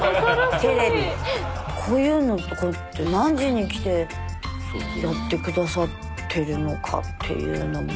こういうのってほんと何時に来てやってくださってるのかっていうのも。